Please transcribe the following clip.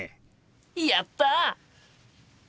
やった！